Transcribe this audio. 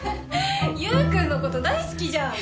ゆう君のこと大好きじゃん。